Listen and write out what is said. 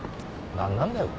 何なんだよ？